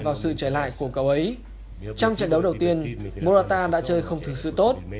trong trận đấu đầu tiên murata đã chơi không thực sự tốt